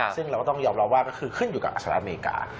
ซึ่งเราต้องยอมรับว่าคือขึ้นอยู่กับอเมริกา